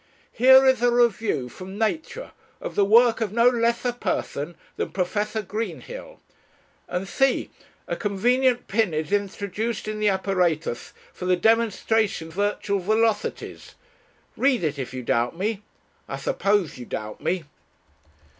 "Here is a review from Nature of the work of no less a person than Professor Greenhill. And see a convenient pin is introduced in the apparatus for the demonstration of virtual velocities! Read it if you doubt me. I suppose you doubt me."